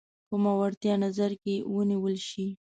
کوم وړتیا نظر کې ونیول شي.